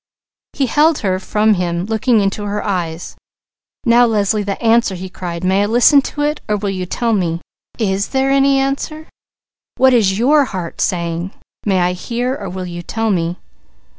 He held her from him, looking into her eyes. "Now Leslie, the answer!" he cried. "May I listen to it or will you tell me? Is there any answer? What is your heart saying? May I hear or will you tell me?"